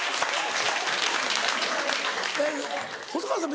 細川さん